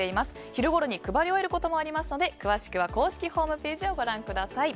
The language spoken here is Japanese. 昼ごろに配り終えることもありますので詳しくは公式ホームページをご覧ください。